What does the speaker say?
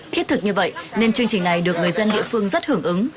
thiết thực như vậy nên chương trình này được người dân địa phương rất hưởng ứng